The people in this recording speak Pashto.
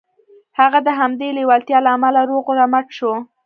هغه د همدې لېوالتیا له امله روغ رمټ شو